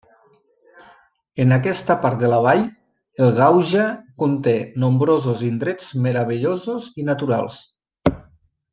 En aquesta part de la vall, el Gauja conté nombrosos indrets meravellosos i naturals.